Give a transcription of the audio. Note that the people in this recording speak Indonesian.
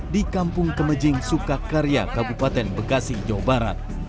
di kampung kemejing sukakarya kabupaten bekasi jawa barat